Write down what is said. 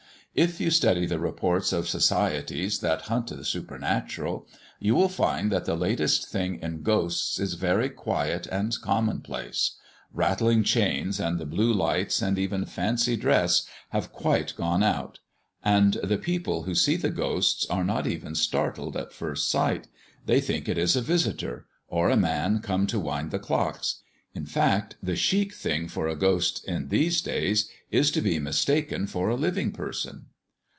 If you study the reports of societies that hunt the supernatural, you will find that the latest thing in ghosts is very quiet and commonplace. Rattling chains and blue lights, and even fancy dress, have quite gone out. And the people who see the ghosts are not even startled at first sight; they think it is a visitor, or a man come to wind the clocks. In fact, the chic thing for a ghost in these days is to be mistaken for a living person."